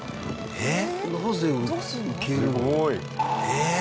えっ？